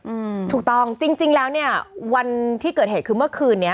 อืมถูกต้องจริงจริงแล้วเนี้ยวันที่เกิดเหตุคือเมื่อคืนเนี้ย